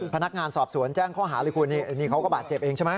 พนักงานสอบสวนแจ้งข้อหาเลยคุณนี่เขาก็บาดเจ็บเองใช่ไหม